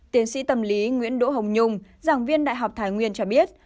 tiến sĩ tâm lý nguyễn đỗ hồng nhung giảng viên đại học thái nguyên cho biết